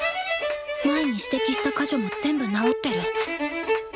前に指摘した箇所も全部直ってる。